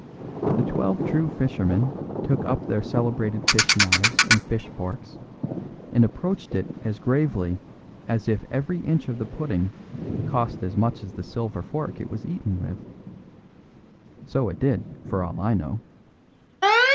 The Twelve True Fishermen took up their celebrated fish knives and fish forks, and approached it as gravely as if every inch of the pudding cost as much as the silver fork it was eaten with. So it did, for all I know.